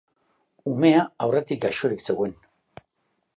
Umea aurretik gaixorik zegoen.